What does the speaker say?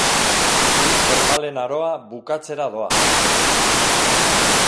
Ur termalen aroa bukatzera doa.